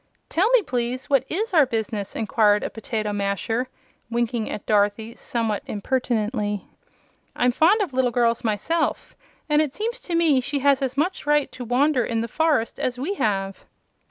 "Tell me, please, what IS our business?" inquired a potato masher, winking at Dorothy somewhat impertinently. "I'm fond of little girls, myself, and it seems to me she has as much right to wander in the forest as we have."